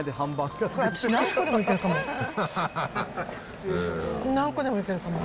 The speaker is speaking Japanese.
私、何個でもいけるかも。